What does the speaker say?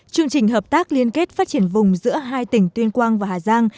chương trình hợp tác liên kết phát triển vùng giữa hai tỉnh tuyên quang và hà giang